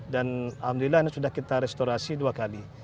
dan alhamdulillah ini sudah kita restorasi dua kali